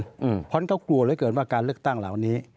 เพราะฉะนั้นเขากลัวเหลือเกินว่าการเลือกตั้งเหล่านี้